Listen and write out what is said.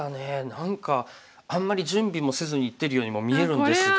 何かあんまり準備もせずにいってるようにも見えるんですが。